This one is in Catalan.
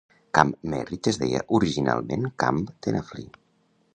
Camp Merritt es deia originalment Camp Tenafly.